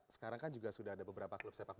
sekarang kan juga sudah ada beberapa klub sepak bola